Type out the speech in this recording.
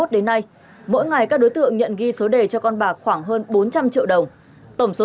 hai nghìn hai mươi một đến nay mỗi ngày các đối tượng nhận ghi số đề cho con bà khoảng hơn bốn trăm linh triệu đồng tổng số